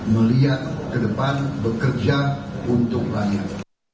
melihat ke depan bekerja untuk rakyat